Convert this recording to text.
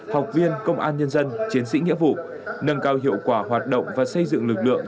học viên công an nhân dân chiến sĩ nghĩa vụ nâng cao hiệu quả hoạt động và xây dựng lực lượng